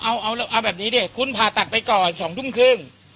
เอาแบบนี้ดิคุณผ่าตัดไปก่อน๒ทุ่มครึ่ง